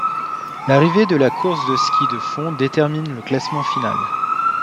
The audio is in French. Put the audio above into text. L'arrivée de la course de ski de fond détermine le classement final.